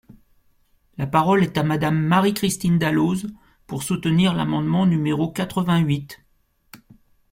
La parole est à Madame Marie-Christine Dalloz, pour soutenir l’amendement numéro quatre-vingt-huit.